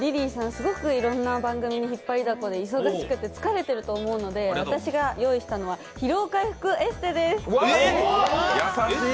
すごくいろんな番組にひっぱりだこで疲れていると思うので私が用意したのは疲労回復エステです。